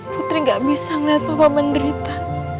putri gak bisa melihat papa menderita